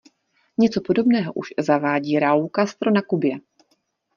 Něco podobného už zavádí Raúl Castro na Kubě.